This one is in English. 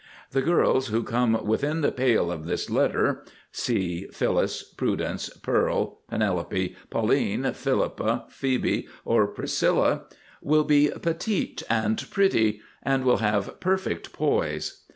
The girls who come within the pale of this letter (see Phyllis, Prudence, Pearl, Penelope, Pauline, Philippa, Phœbe, or Priscilla), will be Petite and Pretty and will have perfect Poise.